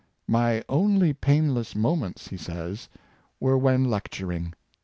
^^ My only painless moments," he says, " were when lecturing."